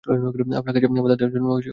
আপনার কাজে বাধা দেওয়ার জন্য দুঃখিত।